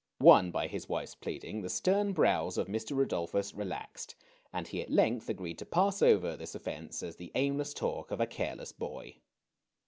Won by his wife's pleading, the stern brows of Mr. Rudolphus relaxed, and he at length agreed to pass over this offence as the aimless talk of a careless boy.